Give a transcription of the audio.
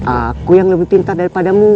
aku yang lebih pintar daripadamu